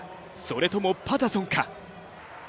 それともパタソンか？